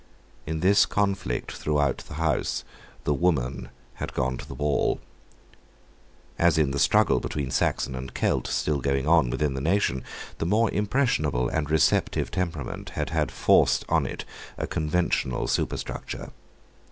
In this conflict throughout the house the woman had gone to the wall. As in the struggle between Saxon and Celt still going on within the nation, the more impressionable and receptive temperament had had forced on it a conventional superstructure.